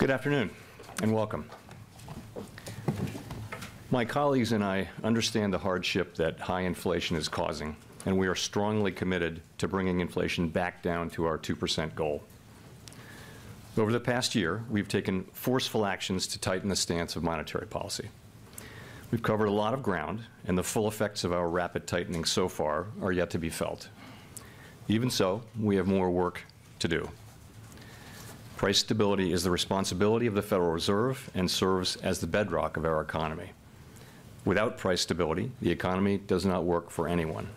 Good afternoon. Welcome. My colleagues and I understand the hardship that high inflation is causing. We are strongly committed to bringing inflation back down to our 2% goal. Over the past year, we've taken forceful actions to tighten the stance of monetary policy. We've covered a lot of ground. The full effects of our rapid tightening so far are yet to be felt. Even so, we have more work to do. Price stability is the responsibility of the Federal Reserve and serves as the bedrock of our economy. Without price stability, the economy does not work for anyone.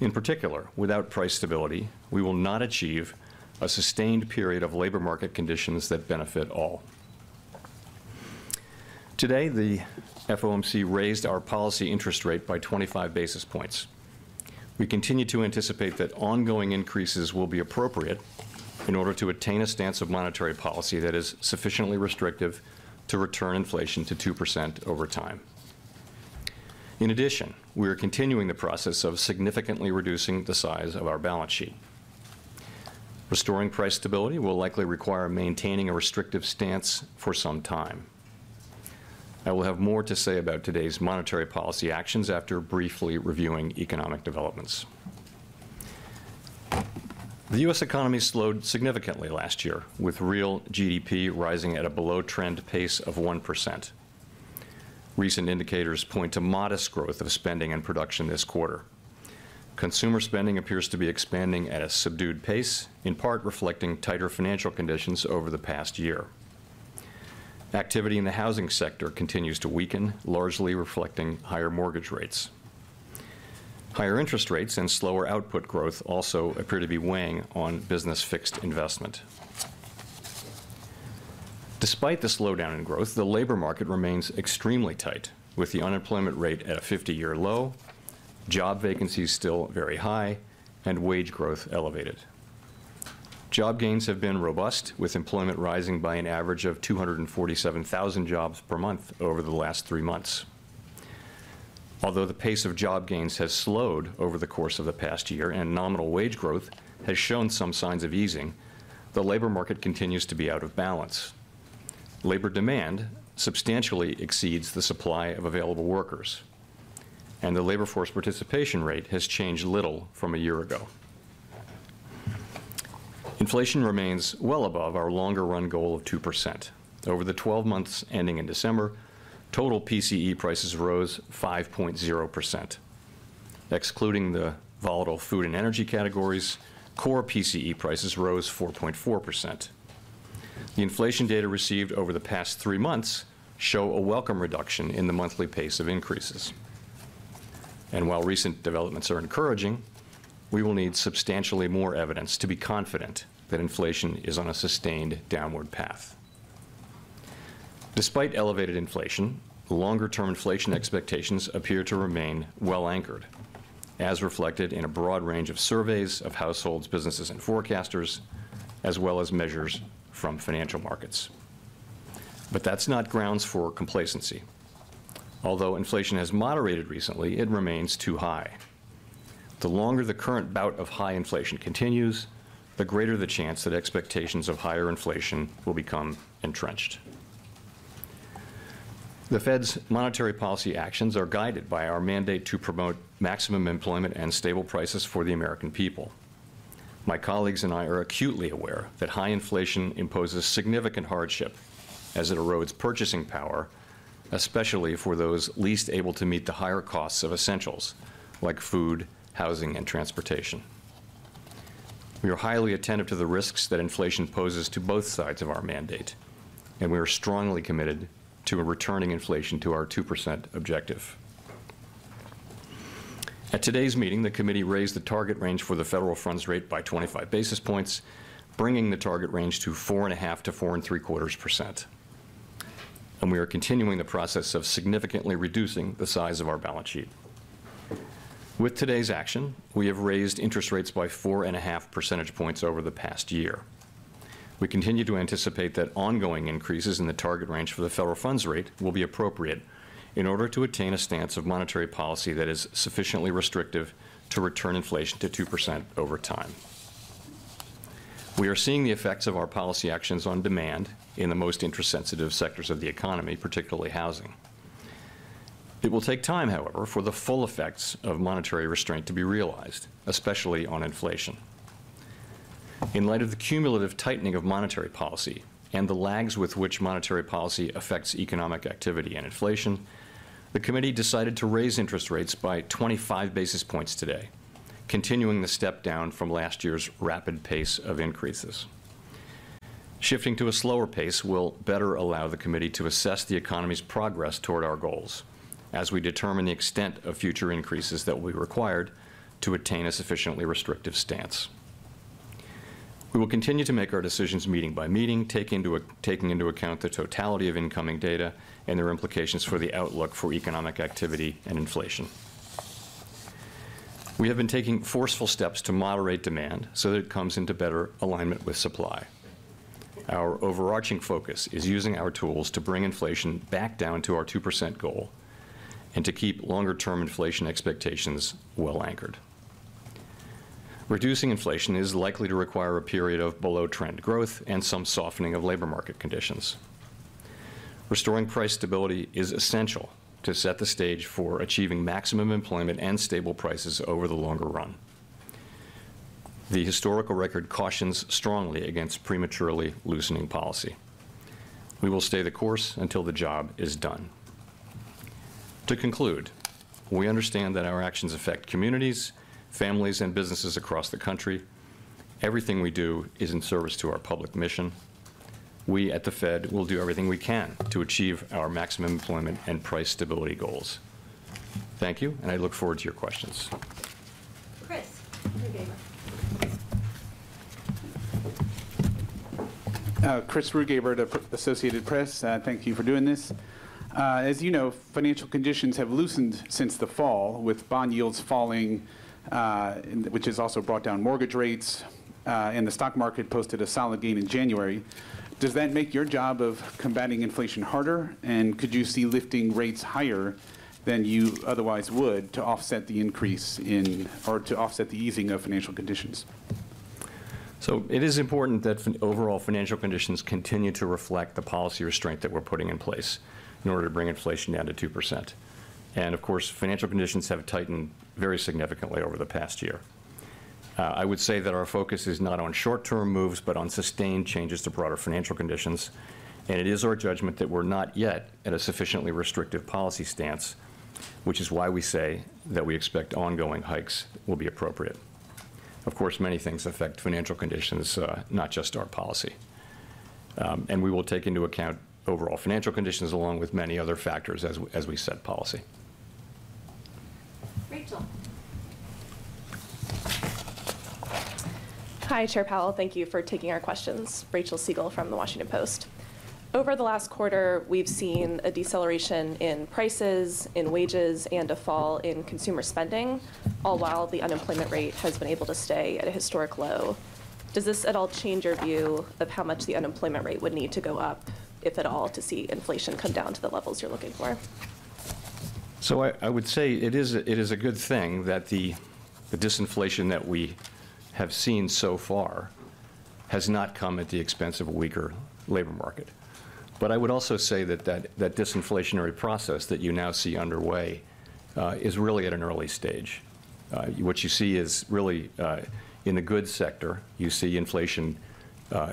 In particular, without price stability, we will not achieve a sustained period of labor market conditions that benefit all. Today, the FOMC raised our policy interest rate by 25 basis points. We continue to anticipate that ongoing increases will be appropriate in order to attain a stance of monetary policy that is sufficiently restrictive to return inflation to 2% over time. We are continuing the process of significantly reducing the size of our balance sheet. Restoring price stability will likely require maintaining a restrictive stance for some time. I will have more to say about today's monetary policy actions after briefly reviewing economic developments. The U.S. economy slowed significantly last year, with real GDP rising at a below-trend pace of 1%. Recent indicators point to modest growth of spending and production this quarter. Consumer spending appears to be expanding at a subdued pace, in part reflecting tighter financial conditions over the past year. Activity in the housing sector continues to weaken, largely reflecting higher mortgage rates. Higher interest rates and slower output growth also appear to be weighing on business fixed investment. Despite the slowdown in growth, the labor market remains extremely tight, with the unemployment rate at a 50-year low, job vacancies still very high, and wage growth elevated. Job gains have been robust, with employment rising by an average of 247,000 jobs per month over the last three months. Although the pace of job gains has slowed over the course of the past year and nominal wage growth has shown some signs of easing, the labor market continues to be out of balance. Labor demand substantially exceeds the supply of available workers, and the labor force participation rate has changed little from a year ago. Inflation remains well above our longer run goal of 2%. Over the 12 months ending in December, total PCE prices rose 5.0%. Excluding the volatile food and energy categories, core PCE prices rose 4.4%. The inflation data received over the past three months show a welcome reduction in the monthly pace of increases. While recent developments are encouraging, we will need substantially more evidence to be confident that inflation is on a sustained downward path. Despite elevated inflation, longer-term inflation expectations appear to remain well anchored, as reflected in a broad range of surveys of households, businesses, and forecasters, as well as measures from financial markets. That's not grounds for complacency. Although inflation has moderated recently, it remains too high. The longer the current bout of high inflation continues, the greater the chance that expectations of higher inflation will become entrenched. The Fed's monetary policy actions are guided by our mandate to promote maximum employment and stable prices for the American people. My colleagues and I are acutely aware that high inflation imposes significant hardship as it erodes purchasing power, especially for those least able to meet the higher costs of essentials like food, housing, and transportation. We are highly attentive to the risks that inflation poses to both sides of our mandate, and we are strongly committed to returning inflation to our 2% objective. At today's meeting, the Committee raised the target range for the federal funds rate by 25 basis points, bringing the target range to 4.5% to 4.75%. We are continuing the process of significantly reducing the size of our balance sheet. With today's action, we have raised interest rates by four and a half percentage points over the past year. We continue to anticipate that ongoing increases in the target range for the federal funds rate will be appropriate in order to attain a stance of monetary policy that is sufficiently restrictive to return inflation to 2% over time. We are seeing the effects of our policy actions on demand in the most interest-sensitive sectors of the economy, particularly housing. It will take time, however, for the full effects of monetary restraint to be realized, especially on inflation. In light of the cumulative tightening of monetary policy and the lags with which monetary policy affects economic activity and inflation, the Committee decided to raise interest rates by 25 basis points today, continuing the step-down from last year's rapid pace of increases. Shifting to a slower pace will better allow the Committee to assess the economy's progress toward our goals as we determine the extent of future increases that will be required to attain a sufficiently restrictive stance. We will continue to make our decisions meeting by meeting, taking into account the totality of incoming data and their implications for the outlook for economic activity and inflation. We have been taking forceful steps to moderate demand so that it comes into better alignment with supply. Our overarching focus is using our tools to bring inflation back down to our 2% goal and to keep longer-term inflation expectations well anchored. Reducing inflation is likely to require a period of below-trend growth and some softening of labor market conditions. Restoring price stability is essential to set the stage for achieving maximum employment and stable prices over the longer run. The historical record cautions strongly against prematurely loosening policy. We will stay the course until the job is done. To conclude, we understand that our actions affect communities, families, and businesses across the country. Everything we do is in service to our public mission. We at the Fed will do everything we can to achieve our maximum employment and price stability goals. Thank you, and I look forward to your questions. Christopher Rugaber. Christopher Rugaber of Associated Press. Thank you for doing this. As you know, financial conditions have loosened since the fall with bond yields falling, which has also brought down mortgage rates, and the stock market posted a solid gain in January. Does that make your job of combating inflation harder? Could you see lifting rates higher than you otherwise would to offset the easing of financial conditions? It is important that overall financial conditions continue to reflect the policy restraint that we're putting in place in order to bring inflation down to 2%. Of course, financial conditions have tightened very significantly over the past year. I would say that our focus is not on short-term moves, but on sustained changes to broader financial conditions. It is our judgment that we're not yet at a sufficiently restrictive policy stance, which is why we say that we expect ongoing hikes will be appropriate. Of course, many things affect financial conditions, not just our policy. We will take into account overall financial conditions along with many other factors as we set policy. Rachel. Hi, Chair Powell. Thank you for taking our questions. Rachel Siegel from The Washington Post. Over the last quarter, we've seen a deceleration in prices, in wages, and a fall in consumer spending, all while the unemployment rate has been able to stay at a historic low. Does this at all change your view of how much the unemployment rate would need to go up, if at all, to see inflation come down to the levels you're looking for? I would say it is a good thing that the disinflation that we have seen so far has not come at the expense of a weaker labor market. I would also say that disinflationary process that you now see underway is really at an early stage. What you see is really in the goods sector, you see inflation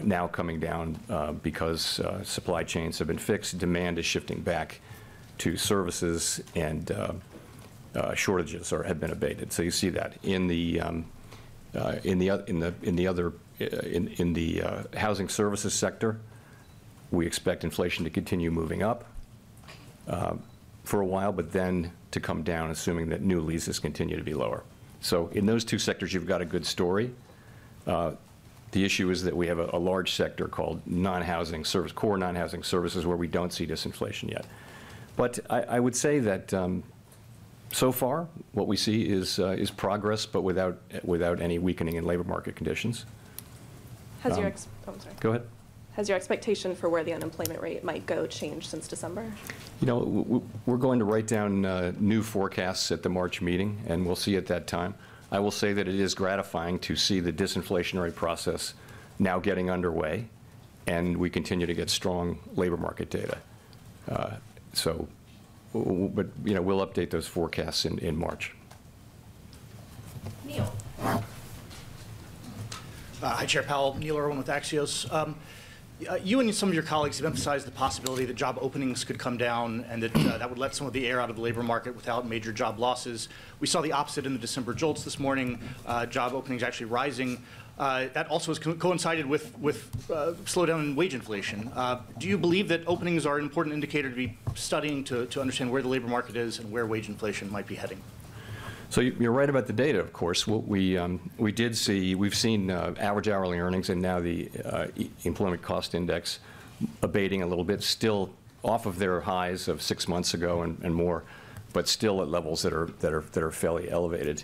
now coming down because supply chains have been fixed, demand is shifting back to services and shortages have been abated. You see that. In the other in the housing services sector, we expect inflation to continue moving up for a while, but then to come down, assuming that new leases continue to be lower. In those two sectors, you've got a good story. The issue is that we have a large sector called core services ex-housing where we don't see disinflation yet. I would say that so far what we see is progress, but without any weakening in labor market conditions. Oh, I'm sorry. Go ahead. Has your expectation for where the unemployment rate might go changed since December? You know, we're going to write down new forecasts at the March meeting. We'll see at that time. I will say that it is gratifying to see the disinflationary process now getting underway. We continue to get strong labor market data. You know, we'll update those forecasts in March. Neil. Hi, Chair Powell. Neil Irwin with Axios. You and some of your colleagues have emphasized the possibility that job openings could come down and that would let some of the air out of the labor market without major job losses. We saw the opposite in the December JOLTS this morning, job openings actually rising. That also has coincided with slowdown in wage inflation. Do you believe that openings are an important indicator to be studying to understand where the labor market is and where wage inflation might be heading? You're right about the data, of course. What we've seen, Average Hourly Earnings and now the Employment Cost Index abating a little bit, still off of their highs of 6 months ago and more, but still at levels that are fairly elevated.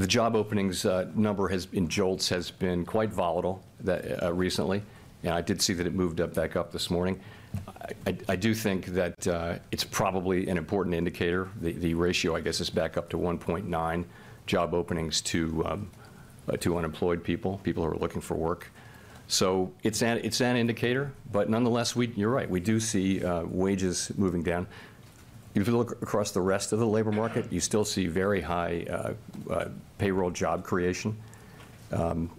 The job openings number has, in JOLTS, has been quite volatile recently. I did see that it moved up, back up this morning. I do think that it's probably an important indicator. The ratio, I guess, is back up to 1.9 job openings to unemployed people who are looking for work. It's an, it's an indicator, but nonetheless, you're right. We do see wages moving down. If you look across the rest of the labor market, you still see very high payroll job creation. you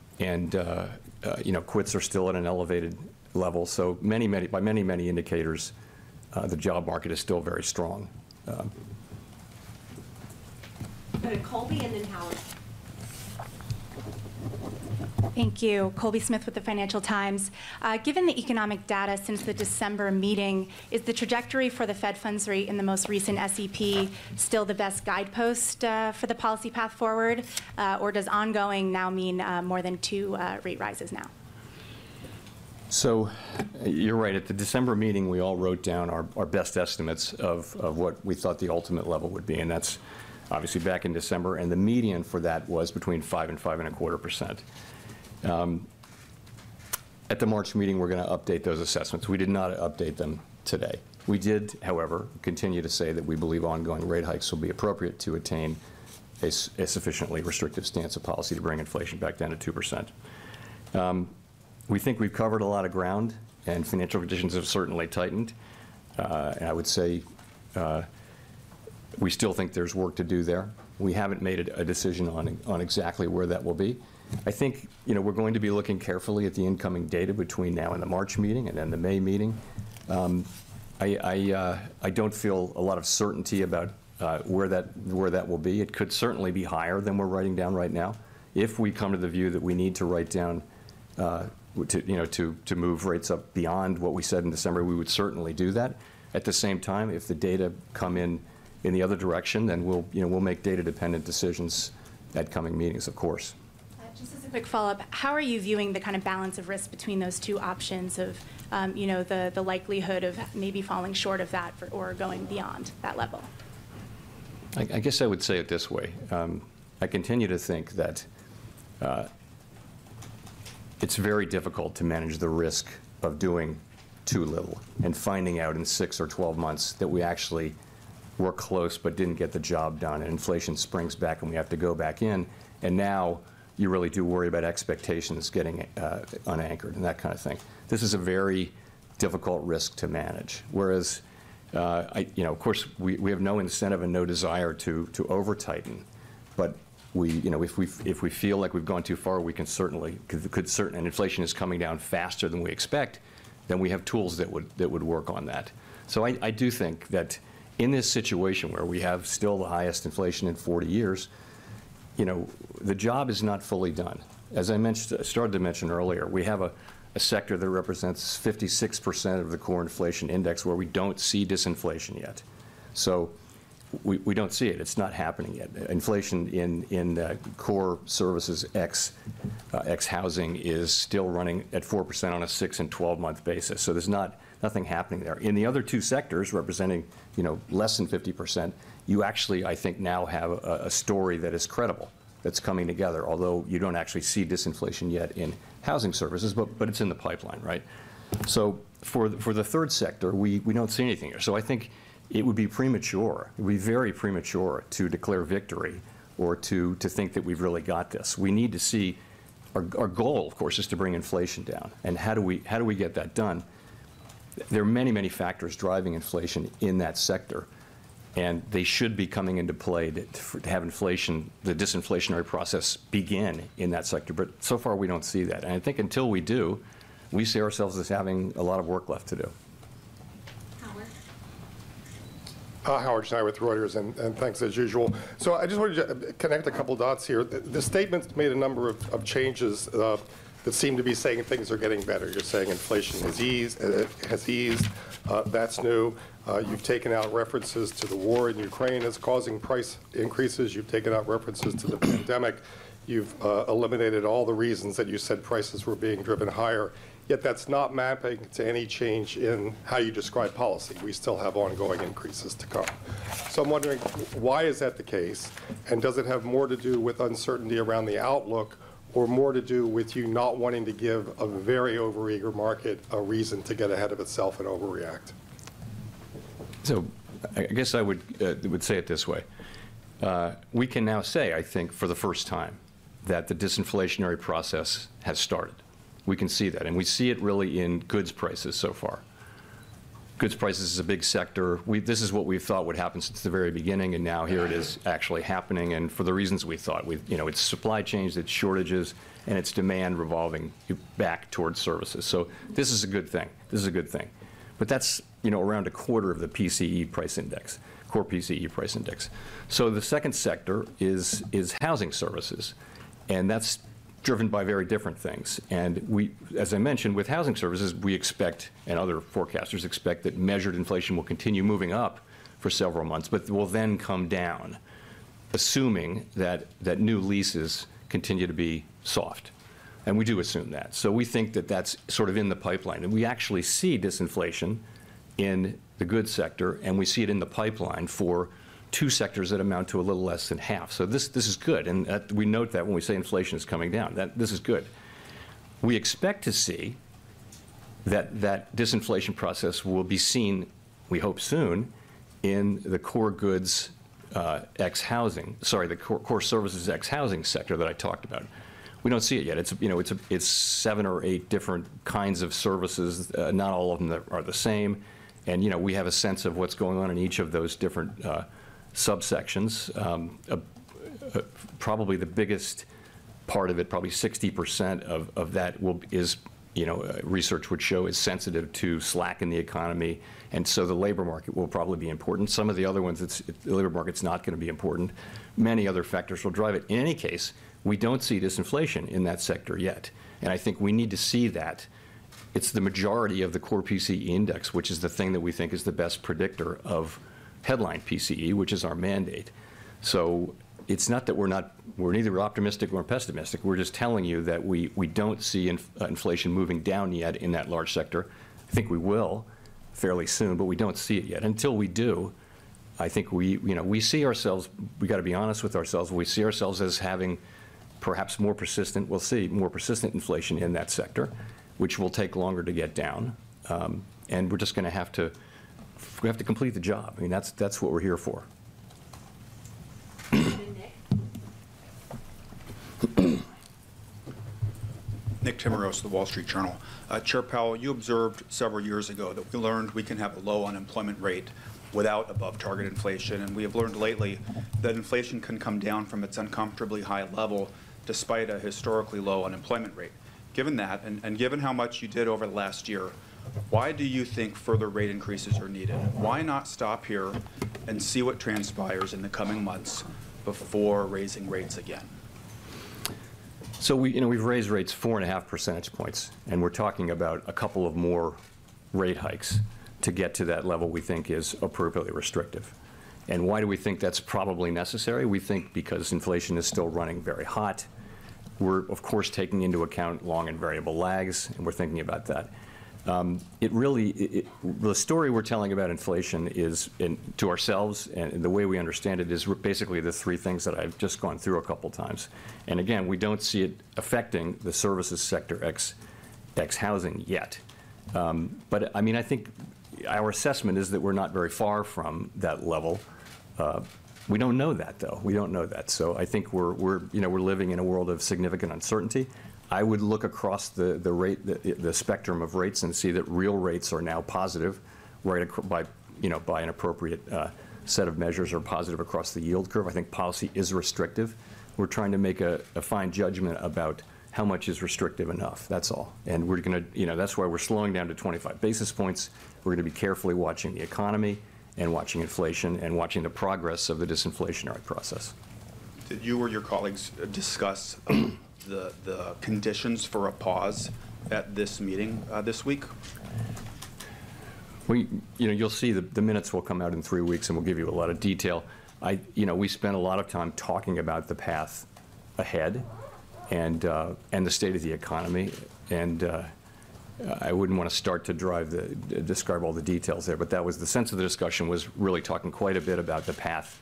know, quits are still at an elevated level. by many, many indicators, the job market is still very strong. Go to Colby and then Howard. Thank you. Colby Smith with the Financial Times. Given the economic data since the December meeting, is the trajectory for the Fed funds rate in the most recent SEP still the best guidepost for the policy path forward? Does ongoing now mean more than 2 rate rises now? You're right. At the December meeting, we all wrote down our best estimates of what we thought the ultimate level would be, and that's obviously back in December. The median for that was between five and 5.25%. At the March meeting, we're going to update those assessments. We did not update them today. We did, however, continue to say that we believe ongoing rate hikes will be appropriate to attain a sufficiently restrictive stance of policy to bring inflation back down to 2%. We think we've covered a lot of ground, and financial conditions have certainly tightened. I would say, we still think there's work to do there. We haven't made a decision on exactly where that will be. I think, you know, we're going to be looking carefully at the incoming data between now and the March meeting and then the May meeting. I don't feel a lot of certainty about where that will be. It could certainly be higher than we're writing down right now. If we come to the view that we need to write down, to, you know, to move rates up beyond what we said in December, we would certainly do that. At the same time, if the data come in in the other direction, then we'll, you know, we'll make data-dependent decisions at coming meetings, of course. Just as a quick follow-up, how are you viewing the kind of balance of risk between those two options of, you know, the likelihood of maybe falling short of that or going beyond that level? I guess I would say it this way. I continue to think that it's very difficult to manage the risk of doing too little and finding out in 6 or 12 months that we actually were close but didn't get the job done, and inflation springs back, and we have to go back in. Now you really do worry about expectations getting unanchored and that kind of thing. This is a very difficult risk to manage. Whereas, you know, of course, we have no incentive and no desire to over-tighten. You know, if we feel like we've gone too far, we can certainly. Inflation is coming down faster than we expect, then we have tools that would, that would work on that. I do think that in this situation where we have still the highest inflation in 40 years, you know, the job is not fully done. As I started to mention earlier, we have a sector that represents 56% of the core inflation index where we don't see disinflation yet. We don't see it. It's not happening yet. Inflation in the core services ex-housing is still running at 4% on a 6 and 12-month basis. There's not nothing happening there. In the other two sectors representing, you know, less than 50%, you actually, I think, now have a story that is credible, that's coming together, although you don't actually see disinflation yet in housing services, but it's in the pipeline, right? For the third sector, we don't see anything there. I think it would be premature, it would be very premature to declare victory or to think that we've really got this. We need to see. Our goal, of course, is to bring inflation down. How do we get that done? There are many, many factors driving inflation in that sector, and they should be coming into play to have inflation, the disinflationary process begin in that sector. So far, we don't see that. I think until we do, we see ourselves as having a lot of work left to do. Howard? Howard Schneider with Reuters, and thanks as usual. I just wanted to connect a couple dots here. The statement's made a number of changes that seem to be saying things are getting better. You're saying inflation has eased, has eased. That's new. You've taken out references to the war in Ukraine as causing price increases. You've taken out references to the pandemic. You've eliminated all the reasons that you said prices were being driven higher. Yet that's not mapping to any change in how you describe policy. We still have ongoing increases to come. I'm wondering, why is that the case, and does it have more to do with uncertainty around the outlook or more to do with you not wanting to give a very overeager market a reason to get ahead of itself and overreact? I guess I would say it this way. We can now say, I think, for the first time that the disinflationary process has started. We can see that, and we see it really in goods prices so far. Goods prices is a big sector. We this is what we thought would happen since the very beginning, and now here it is actually happening, and for the reasons we thought. We you know, it's supply chains, it's shortages, and it's demand revolving back towards services. This is a good thing. This is a good thing. That's, you know, around a quarter of the PCE price index, core PCE price index. The second sector is housing services, and that's driven by very different things. As I mentioned, with housing services, we expect, and other forecasters expect, that measured inflation will continue moving up for several months but will then come down, assuming that new leases continue to be soft. We do assume that. We think that that's sort of in the pipeline. We actually see disinflation in the goods sector, and we see it in the pipeline for 2 sectors that amount to a little less than half. This is good, and we note that when we say inflation is coming down. This is good. We expect to see that disinflation process will be seen, we hope soon, in the core goods ex housing, sorry, the core services ex-housing sector that I talked about. We don't see it yet. It's, you know, it's 7 or 8 different kinds of services. Not all of them are the same. You know, we have a sense of what's going on in each of those different subsections. Probably the biggest part of it, probably 60% of that is, you know, research would show is sensitive to slack in the economy, and so the labor market will probably be important. Some of the other ones, the labor market's not gonna be important. Many other factors will drive it. In any case, we don't see disinflation in that sector yet, and I think we need to see that. It's the majority of the core PCE index, which is the thing that we think is the best predictor of headline PCE, which is our mandate. it's not that we're neither optimistic nor pessimistic. We're just telling you that we don't see inflation moving down yet in that large sector. I think we will fairly soon, but we don't see it yet. Until we do, I think we, you know, we gotta be honest with ourselves, we see ourselves as having perhaps more persistent, we'll see, more persistent inflation in that sector, which will take longer to get down. we're just gonna have to complete the job. I mean, that's what we're here for. Nick. Nick Timiraos of The Wall Street Journal. Chair Powell, you observed several years ago that we learned we can have a low unemployment rate without above target inflation. We have learned lately that inflation can come down from its uncomfortably high level despite a historically low unemployment rate. Given that, given how much you did over the last year, why do you think further rate increases are needed? Why not stop here and see what transpires in the coming months before raising rates again? We, you know, we've raised rates 4.5 percentage points, and we're talking about a couple more rate hikes to get to that level we think is appropriately restrictive. Why do we think that's probably necessary? We think because inflation is still running very hot. We're of course, taking into account long and variable lags, and we're thinking about that. The story we're telling about inflation is in to ourselves and the way we understand it is basically the 3 things that I've just gone through a couple times. Again, we don't see it affecting the services sector ex housing yet. But I mean, I think our assessment is that we're not very far from that level of... We don't know that, though. We don't know that. I think we're, you know, we're living in a world of significant uncertainty. I would look across the rate, the spectrum of rates and see that real rates are now positive, where by, you know, by an appropriate set of measures are positive across the yield curve. I think policy is restrictive. We're trying to make a fine judgment about how much is restrictive enough. That's all. You know, that's why we're slowing down to 25 basis points. We're gonna be carefully watching the economy and watching inflation and watching the progress of the disinflationary process. Did you or your colleagues discuss the conditions for a pause at this meeting, this week? You know, you'll see the minutes will come out in 3 weeks, and we'll give you a lot of detail. You know, we spend a lot of time talking about the path ahead and the state of the economy. I wouldn't wanna start to drive describe all the details there, but that was the sense of the discussion, was really talking quite a bit about the path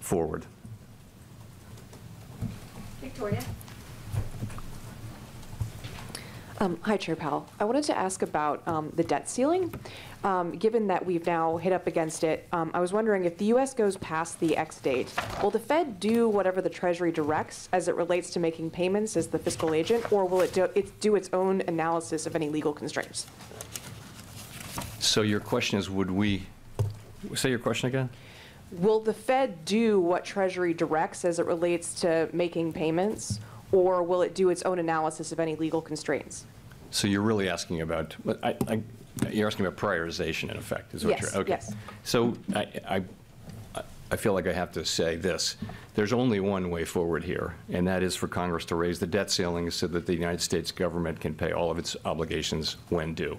forward. Victoria. Hi, Chair Powell. I wanted to ask about the debt ceiling. Given that we've now hit up against it, I was wondering if the U.S. goes past the X-date, will the Fed do whatever the Treasury directs as it relates to making payments as the fiscal agent, or will it do its own analysis of any legal constraints? your question is would we. Say your question again? Will the Fed do what Treasury directs as it relates to making payments, or will it do its own analysis of any legal constraints? Well, you're asking about prioritization in effect. Yes. Yes. Okay. I feel like I have to say this, there's only one way forward here, that is for Congress to raise the debt ceiling so that the United States government can pay all of its obligations when due.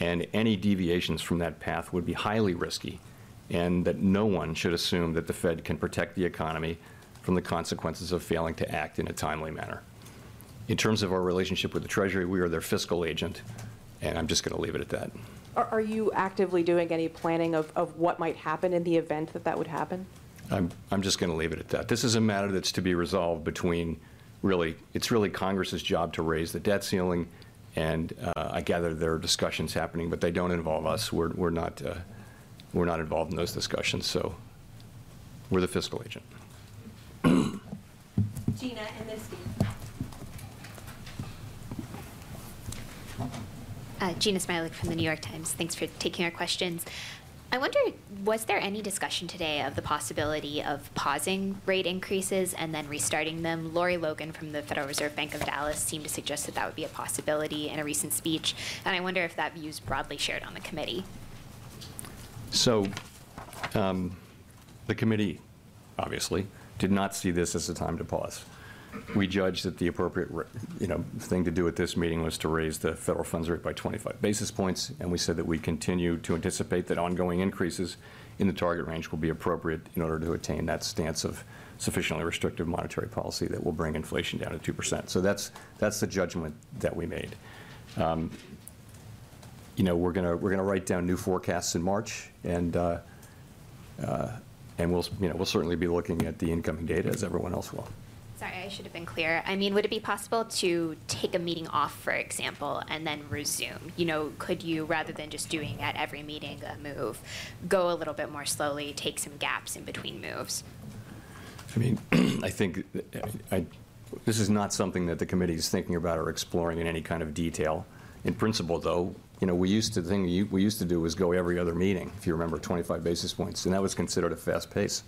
Any deviations from that path would be highly risky, that no one should assume that the Fed can protect the economy from the consequences of failing to act in a timely manner. In terms of our relationship with the Treasury, we are their fiscal agent, I'm just gonna leave it at that. Are you actively doing any planning of what might happen in the event that that would happen? I'm just gonna leave it at that. This is a matter that's to be resolved between, really, it's really Congress's job to raise the debt ceiling, and I gather there are discussions happening, but they don't involve us. We're not involved in those discussions. We're the fiscal agent. Jeanna and then Steve. Jeanna Smialek from The New York Times. Thanks for taking our questions. I wonder, was there any discussion today of the possibility of pausing rate increases and then restarting them? Lorie Logan from the Federal Reserve Bank of Dallas seemed to suggest that that would be a possibility in a recent speech, and I wonder if that view is broadly shared on the committee. The committee obviously did not see this as a time to pause. We judged that the appropriate you know, thing to do at this meeting was to raise the federal funds rate by 25 basis points, and we said that we continue to anticipate that ongoing increases in the target range will be appropriate in order to attain that stance of sufficiently restrictive monetary policy that will bring inflation down to 2%. That's the judgment that we made. You know, we're gonna, we're gonna write down new forecasts in March, and you know, we'll certainly be looking at the incoming data as everyone else will. Sorry, I should have been clear. I mean, would it be possible to take a meeting off, for example, and then resume? You know, could you, rather than just doing at every meeting a move, go a little bit more slowly, take some gaps in between moves? I mean, I think this is not something that the committee is thinking about or exploring in any kind of detail. In principle, though, you know, we used to the thing we used to do was go every other meeting, if you remember, 25 basis points, and that was considered a fast pace.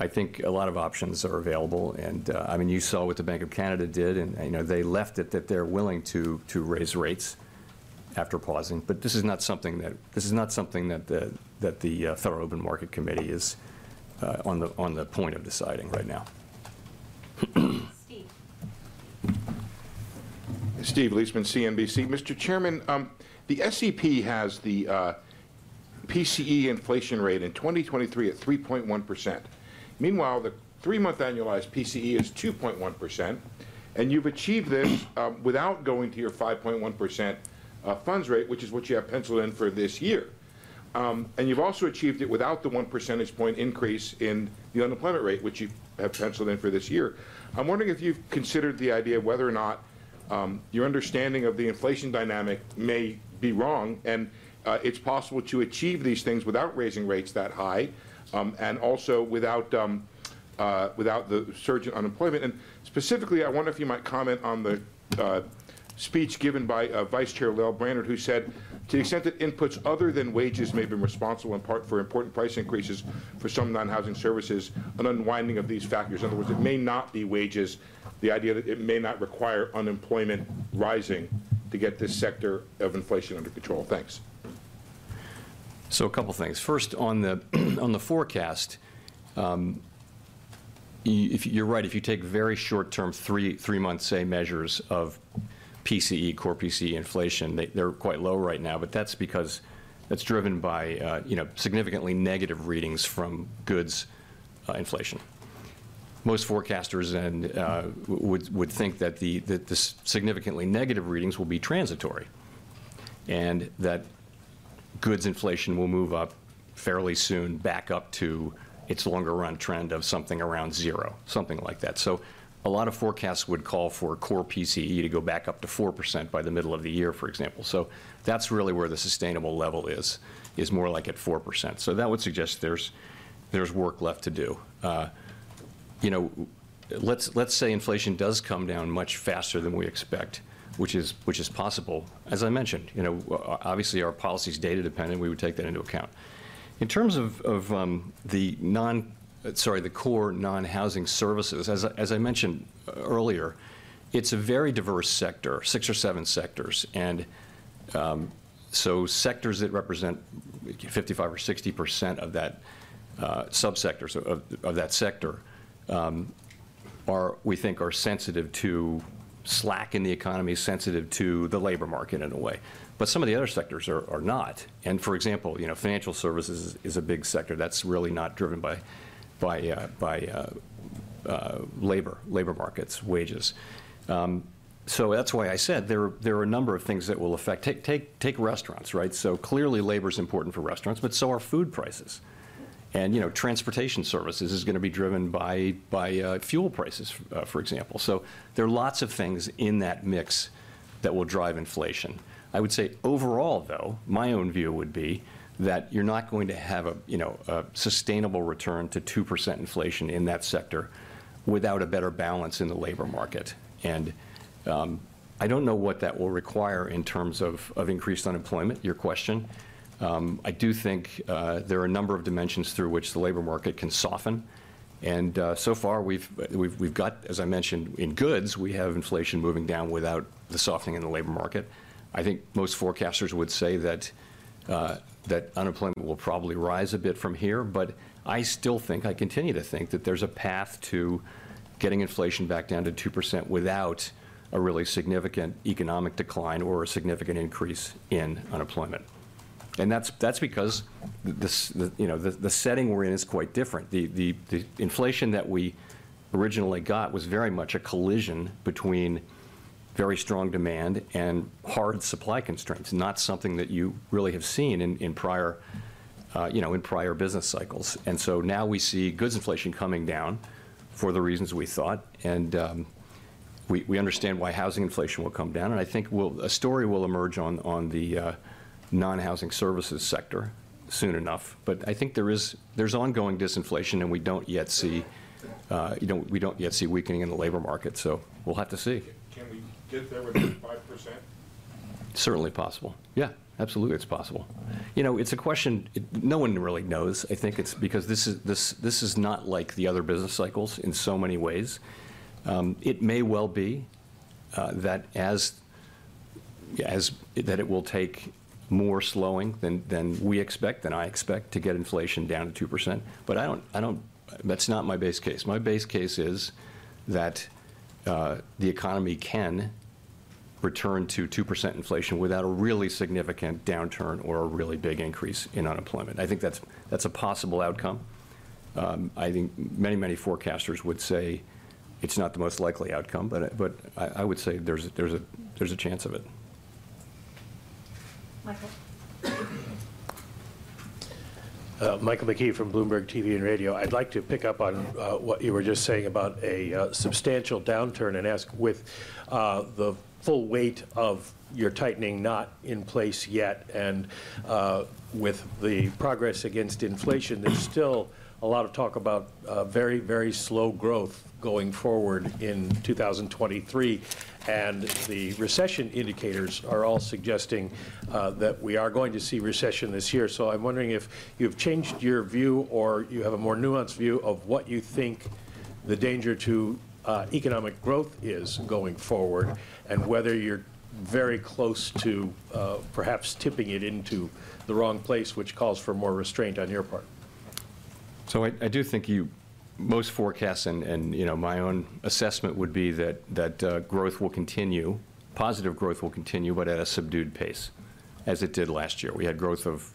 I think a lot of options are available, and, I mean, you saw what the Bank of Canada did, and, you know, they left it that they're willing to raise rates after pausing. This is not something that the Federal Open Market Committee is on the point of deciding right now. Steve. Mr. Chairman, the SEP has the PCE inflation rate in 2023 at 3.1%. The 3-month annualized PCE is 2.1%, and you've achieved this without going to your 5.1% funds rate, which is what you have penciled in for this year. You've also achieved it without the 1 percentage point increase in the unemployment rate, which you have penciled in for this year. I'm wondering if you've considered the idea of whether or not your understanding of the inflation dynamic may be wrong, and it's possible to achieve these things without raising rates that high, and also without the surge in unemployment. Specifically, I wonder if you might comment on the speech given by Vice Chair Lael Brainard, who said, "To the extent that inputs other than wages may have been responsible in part for important price increases for some non-housing services, an unwinding of these factors." In other words, it may not be wages, the idea that it may not require unemployment rising to get this sector of inflation under control. Thanks. A couple things. First, on the forecast, you're right. If you take very short-term, 3-month, say, measures of PCE, core PCE inflation, they're quite low right now. That's because that's driven by, you know, significantly negative readings from goods inflation. Most forecasters and would think that the significantly negative readings will be transitory, and that goods inflation will move up fairly soon back up to its longer run trend of something around zero, something like that. A lot of forecasts would call for core PCE to go back up to 4% by the middle of the year, for example. That's really where the sustainable level is more like at 4%. That would suggest there's work left to do. You know, let's say inflation does come down much faster than we expect, which is possible. As I mentioned, you know, obviously, our policy is data dependent. We would take that into account. In terms of core services ex-housing, as I mentioned earlier, it's a very diverse sector, six or seven sectors. Sectors that represent 55% or 60% of that, sub-sectors of that sector, we think are sensitive to slack in the economy, sensitive to the labor market in a way. Some of the other sectors are not. For example, you know, financial services is a big sector that's really not driven by labor markets, wages. That's why I said there are a number of things that will affect. Take restaurants, right? Clearly, labor is important for restaurants, but so are food prices. You know, transportation services is gonna be driven by fuel prices, for example. There are lots of things in that mix that will drive inflation. I would say overall, though, my own view would be that you're not going to have a, you know, a sustainable return to 2% inflation in that sector without a better balance in the labor market. I don't know what that will require in terms of increased unemployment, your question. I do think there are a number of dimensions through which the labor market can soften. So far we've got, as I mentioned, in goods, we have inflation moving down without the softening in the labor market. I think most forecasters would say that unemployment will probably rise a bit from here. I still think, I continue to think that there's a path to getting inflation back down to 2% without a really significant economic decline or a significant increase in unemployment. That's, that's because the, you know, the setting we're in is quite different. The, the inflation that we originally got was very much a collision between very strong demand and hard supply constraints, not something that you really have seen in prior, you know, in prior business cycles. Now we see goods inflation coming down for the reasons we thought. We understand why housing inflation will come down. I think a story will emerge on the non-housing services sector soon enough. I think there's ongoing disinflation, and we don't yet see, you know, we don't yet see weakening in the labor market. We'll have to see. Can we get there with just 5%? Certainly possible. Yeah, absolutely it's possible. You know, it's a question no one really knows. I think it's because this is not like the other business cycles in so many ways. It may well be that it will take more slowing than we expect, than I expect to get inflation down to 2%. That's not my base case. My base case is that the economy can return to 2% inflation without a really significant downturn or a really big increase in unemployment. I think that's a possible outcome. I think many forecasters would say it's not the most likely outcome. I would say there's a chance of it. Michael. Michael McKee from Bloomberg TV and Radio. I'd like to pick up on what you were just saying about a substantial downturn and ask, with the full weight of your tightening not in place yet and with the progress against inflation, there's still a lot of talk about very, very slow growth going forward in 2023. The recession indicators are all suggesting that we are going to see recession this year. I'm wondering if you've changed your view or you have a more nuanced view of what you think the danger to economic growth is going forward, and whether you're very close to perhaps tipping it into the wrong place, which calls for more restraint on your part. I do think most forecasts and, you know, my own assessment would be that growth will continue. Positive growth will continue, but at a subdued pace as it did last year. We had growth of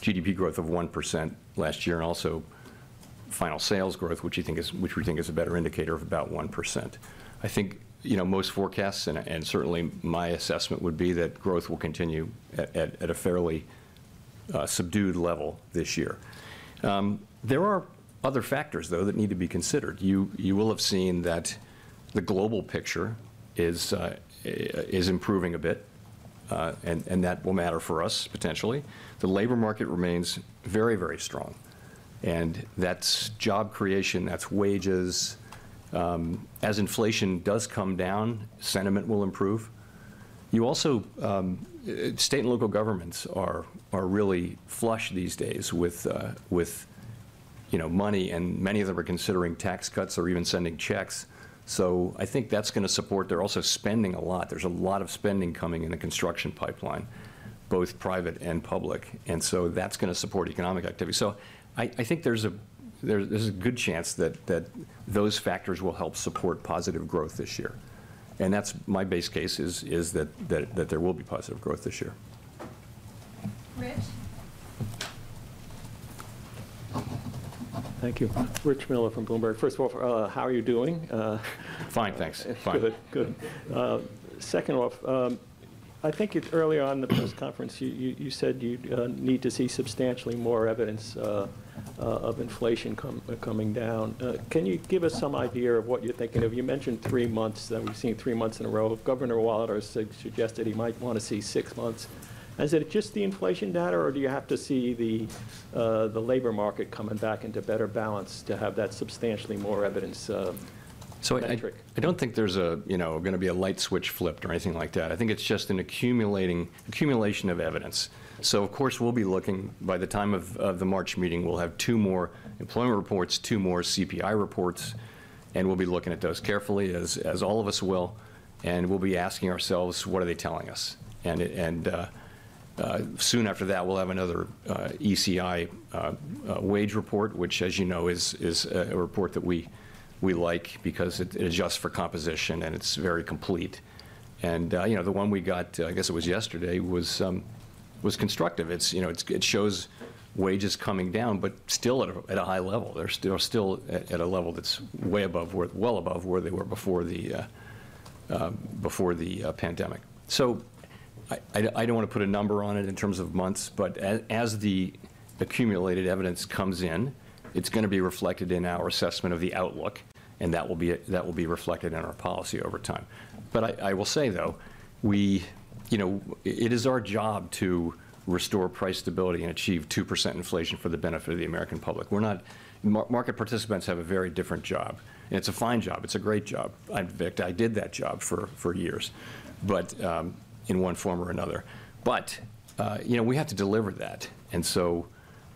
GDP growth of 1% last year and also final sales growth, which we think is a better indicator of about 1%. I think, you know, most forecasts, and certainly my assessment would be that growth will continue at a fairly subdued level this year. There are other factors, though, that need to be considered. You will have seen that the global picture is improving a bit, and that will matter for us potentially. The labor market remains very strong, and that's job creation, that's wages. As inflation does come down, sentiment will improve. You also, state and local governments are really flush these days with, you know, money, many of them are considering tax cuts or even sending checks. I think they're also spending a lot. There's a lot of spending coming in the construction pipeline, both private and public. That's going to support economic activity. I think there's a good chance that those factors will help support positive growth this year. That's my base case is that there will be positive growth this year. Rich. Thank you. Rich Miller from Bloomberg. First of all, how are you doing? Fine, thanks. Fine. Good. Good. Second off, I think earlier on in the press conference, you said you'd need to see substantially more evidence of inflation coming down. Can you give us some idea of what you're thinking of? You mentioned three months, that we've seen three months in a row. Governor Waller suggested he might want to see six months. Is it just the inflation data, or do you have to see the labor market coming back into better balance to have that substantially more evidence of metric? I don't think there's a, you know, gonna be a light switch flipped or anything like that. I think it's just an accumulation of evidence. Of course, we'll be looking by the time of the March meeting, we'll have 2 more employment reports, 2 more CPI reports, we'll be looking at those carefully, as all of us will, and we'll be asking ourselves, what are they telling us? Soon after that, we'll have another ECI wage report, which, as you know, is a report that we like because it adjusts for composition, it's very complete. You know, the one we got, I guess it was yesterday, was constructive. It's, you know, it shows wages coming down but still at a high level. They're still at a level that's way above well above where they were before the pandemic. I don't want to put a number on it in terms of months, but as the accumulated evidence comes in, it's going to be reflected in our assessment of the outlook, and that will be reflected in our policy over time. I will say, though, we, you know, it is our job to restore price stability and achieve 2% inflation for the benefit of the American public. We're not market participants have a very different job, and it's a fine job. It's a great job. In fact, I did that job for years, in one form or another. You know, we have to deliver that.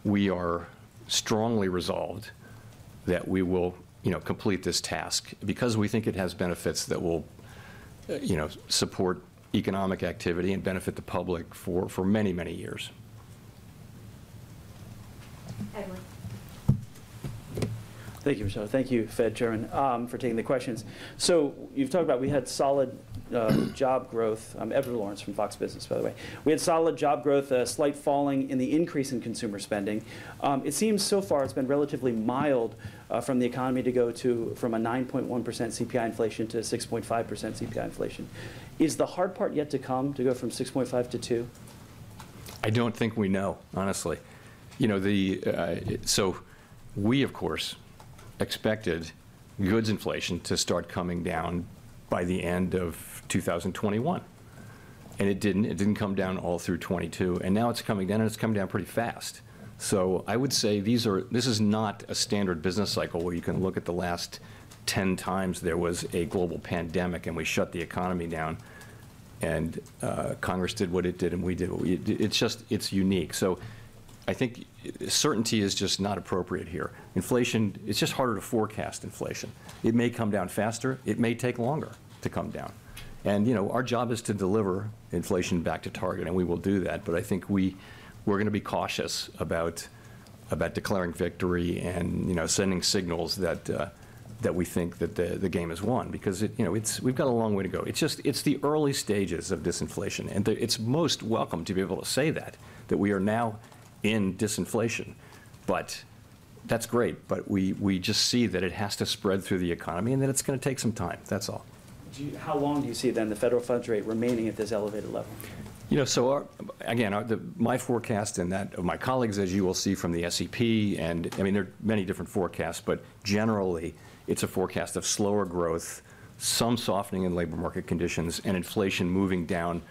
We are strongly resolved that we will, you know, complete this task because we think it has benefits that will, you know, support economic activity and benefit the public for many years. Edward. Thank you. Thank you, Fed Chairman, for taking the questions. You've talked about we had solid job growth. I'm Edward Lawrence from Fox Business, by the way. We had solid job growth, a slight falling in the increase in consumer spending. It seems so far it's been relatively mild from the economy to go to from a 9.1% CPI inflation to a 6.5% CPI inflation. Is the hard part yet to come to go from 6.5% to 2%? I don't think we know, honestly. You know, the, we, of course, expected goods inflation to start coming down by the end of 2021, and it didn't. It didn't come down all through 2022, and now it's coming down, and it's coming down pretty fast. I would say this is not a standard business cycle where you can look at the last 10 times there was a global pandemic and we shut the economy down and Congress did what it did and we did what we did. It's just unique. I think certainty is just not appropriate here. Inflation. It's just harder to forecast inflation. It may come down faster, it may take longer to come down. You know, our job is to deliver inflation back to target, and we will do that. I think we're gonna be cautious about declaring victory and, you know, sending signals that we think that the game is won because it, you know, we've got a long way to go. It's just, it's the early stages of disinflation, and it's most welcome to be able to say that we are now in disinflation. That's great, but we just see that it has to spread through the economy and that it's gonna take some time. That's all. How long do you see then the federal funds rate remaining at this elevated level? You know, my forecast and that of my colleagues, as you will see from the SEP, and I mean, there are many different forecasts, but generally it's a forecast of slower growth, some softening in labor market conditions, and inflation moving down,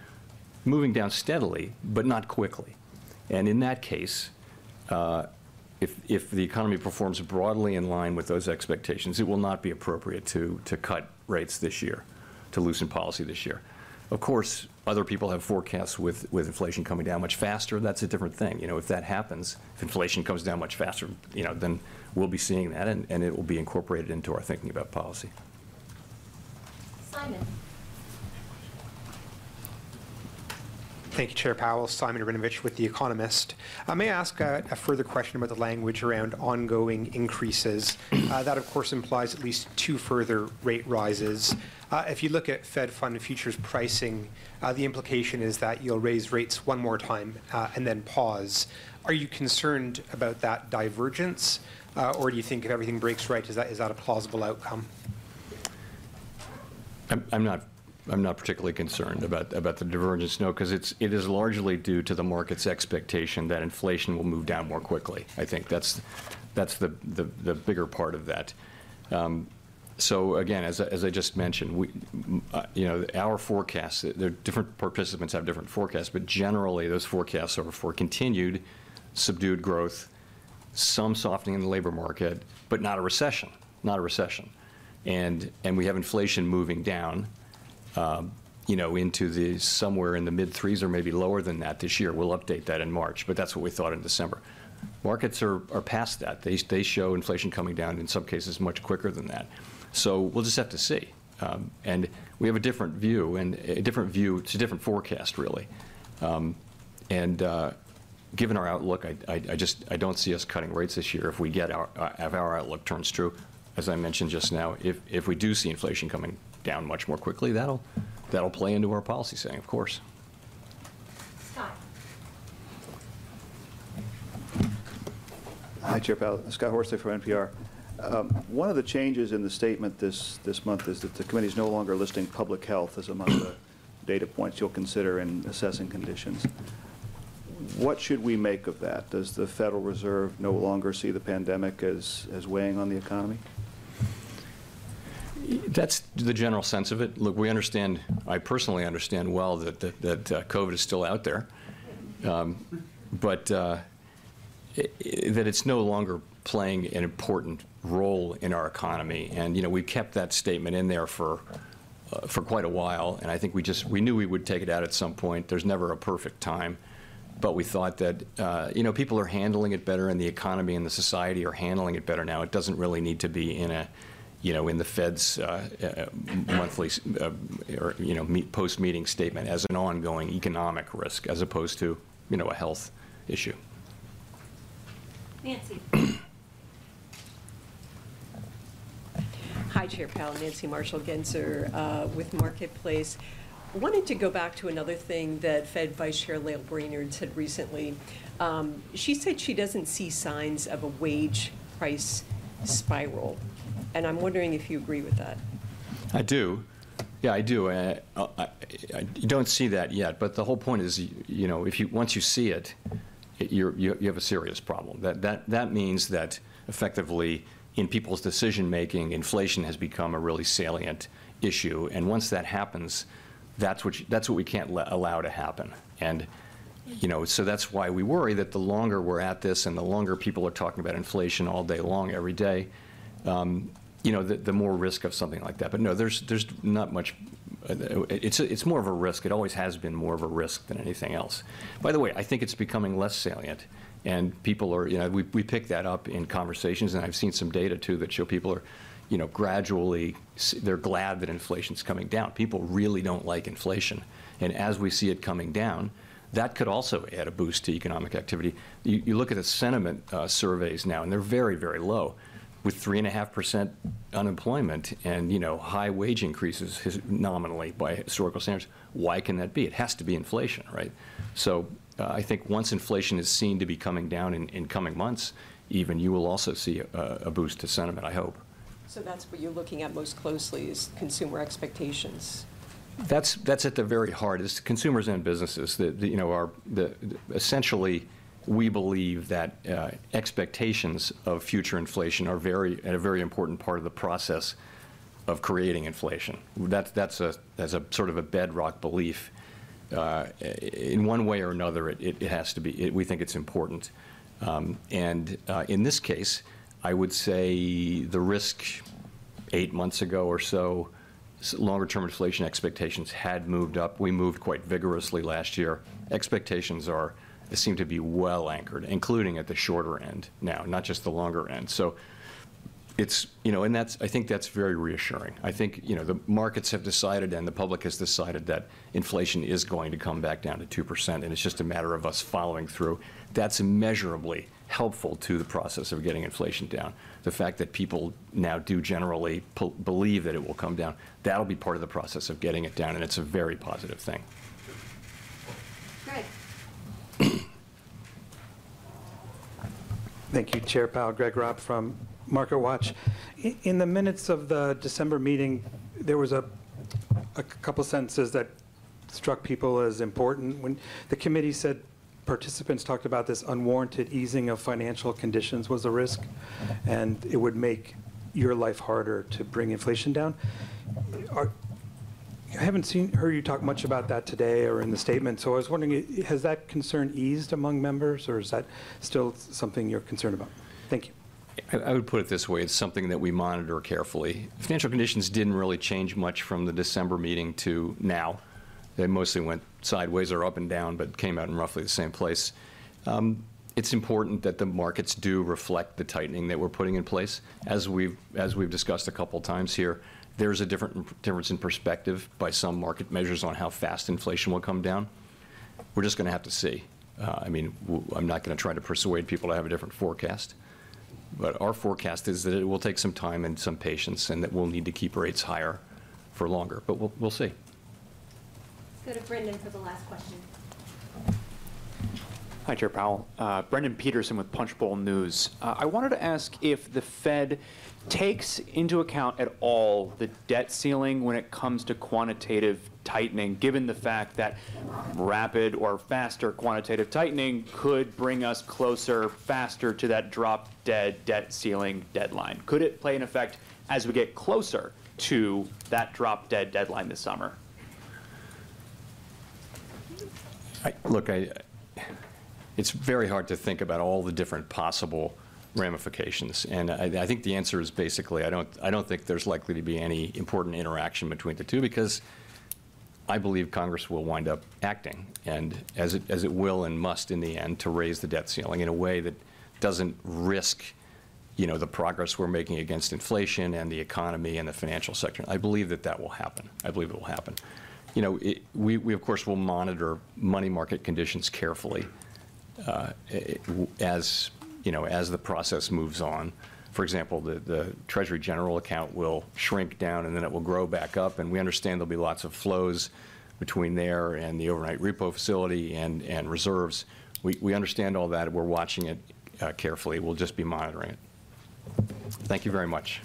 moving down steadily, but not quickly. In that case, if the economy performs broadly in line with those expectations, it will not be appropriate to cut rates this year, to loosen policy this year. Of course, other people have forecasts with inflation coming down much faster. That's a different thing. You know, if that happens, inflation comes down much faster, you know, then we'll be seeing that and it will be incorporated into our thinking about policy. Simon. Thank you, Chair Powell. Simon Rabinovitch with The Economist. May I ask a further question about the language around ongoing increases? That of course implies at least 2 further rate rises. If you look at Fed Funds futures pricing, the implication is that you'll raise rates 1 more time, and then pause. Are you concerned about that divergence, or do you think if everything breaks right, is that a plausible outcome? I'm not particularly concerned about the divergence. No, it is largely due to the market's expectation that inflation will move down more quickly, I think. That's the bigger part of that. Again, as I just mentioned, we, you know, our forecast, the different participants have different forecasts, but generally those forecasts are for continued subdued growth, some softening in the labor market, but not a recession. Not a recession. And we have inflation moving down, you know, into the somewhere in the mid 3s or maybe lower than that this year. We'll update that in March, but that's what we thought in December. Markets are past that. They show inflation coming down, in some cases much quicker than that. We'll just have to see. We have a different view, and a different view to different forecast really. Given our outlook, I don't see us cutting rates this year if our outlook turns true. As I mentioned just now, if we do see inflation coming down much more quickly, that'll play into our policy setting, of course. Scott. Hi, Chair Powell. Scott Horsley from NPR. One of the changes in the statement this month is that the committee is no longer listing public health as among the data points you'll consider in assessing conditions. What should we make of that? Does the Federal Reserve no longer see the pandemic as weighing on the economy? That's the general sense of it. Look, we understand. I personally understand well that COVID is still out there. But that it's no longer playing an important role in our economy. You know, we kept that statement in there for quite a while, and I think we knew we would take it out at some point. There's never a perfect time. We thought that, you know, people are handling it better and the economy and the society are handling it better now. It doesn't really need to be in a, you know, in the Fed's monthly post-meeting statement as an ongoing economic risk as opposed to, you know, a health issue. Nancy. Hi, Chair Powell. Nancy Marshall-Genzer, with Marketplace. Wanted to go back to another thing that Fed Vice Chair Lael Brainard said recently. She said she doesn't see signs of a wage-price spiral. I'm wondering if you agree with that? I do. Yeah, I do. I don't see that yet. The whole point is, you know, if once you see it, you're you have a serious problem. That means that effectively in people's decision-making, inflation has become a really salient issue. Once that happens, that's what we can't allow to happen. You know, that's why we worry that the longer we're at this and the longer people are talking about inflation all day long, every day, you know, the more risk of something like that. No, there's not much, it's more of a risk. It always has been more of a risk than anything else. By the way, I think it's becoming less salient, and people are, you know, we pick that up in conversations, and I've seen some data too that show people are, you know, gradually they're glad that inflation's coming down. People really don't like inflation. As we see it coming down, that could also add a boost to economic activity. You look at the sentiment surveys now, and they're very, very low. With 3.5% unemployment and, you know, high wage increases nominally by historical standards, why can that be? It has to be inflation, right? I think once inflation is seen to be coming down in coming months even, you will also see a boost to sentiment, I hope. That's what you're looking at most closely is consumer expectations. That's at the very heart, is consumers and businesses that, you know, Essentially, we believe that expectations of future inflation are at a very important part of the process of creating inflation. That's a sort of a bedrock belief. In one way or another, it has to be. We think it's important. In this case, I would say the risk eight months ago or so, longer-term inflation expectations had moved up. We moved quite vigorously last year. Expectations they seem to be well anchored, including at the shorter end now, not just the longer end. It's, you know, and I think that's very reassuring. I think, you know, the markets have decided and the public has decided that inflation is going to come back down to 2%, and it's just a matter of us following through. That's immeasurably helpful to the process of getting inflation down. The fact that people now do generally believe that it will come down, that'll be part of the process of getting it down, and it's a very positive thing. Greg. Thank you, Chair Powell. Greg Robb from MarketWatch. In the minutes of the December meeting, there was a couple sentences that struck people as important when the committee said participants talked about this unwarranted easing of financial conditions was a risk, and it would make your life harder to bring inflation down. Heard you talk much about that today or in the statement, so I was wondering, has that concern eased among members, or is that still something you're concerned about? Thank you. I would put it this way. It's something that we monitor carefully. Financial conditions didn't really change much from the December meeting to now. They mostly went sideways or up and down, but came out in roughly the same place. It's important that the markets do reflect the tightening that we're putting in place. As we've discussed a couple times here, there's a different difference in perspective by some market measures on how fast inflation will come down. We're just gonna have to see. I mean, I'm not gonna try to persuade people to have a different forecast. Our forecast is that it will take some time and some patience and that we'll need to keep rates higher for longer. We'll see. Let's go to Brendan for the last question. Hi, Chair Powell. Brendan Pedersen with Punchbowl News. I wanted to ask if the Fed takes into account at all the debt ceiling when it comes to quantitative tightening, given the fact that rapid or faster quantitative tightening could bring us closer, faster to that drop-dead debt ceiling deadline. Could it play an effect as we get closer to that drop-dead deadline this summer? Look, I, it's very hard to think about all the different possible ramifications. I think the answer is basically, I don't think there's likely to be any important interaction between the two because I believe Congress will wind up acting and as it will and must in the end to raise the debt ceiling in a way that doesn't risk, you know, the progress we're making against inflation and the economy and the financial sector. I believe that will happen. I believe it will happen. You know, we of course will monitor money market conditions carefully, as, you know, as the process moves on. For example, the Treasury General Account will shrink down and then it will grow back up, and we understand there'll be lots of flows between there and the Overnight repo facility and reserves. We understand all that. We're watching it carefully. We'll just be monitoring it. Thank you very much.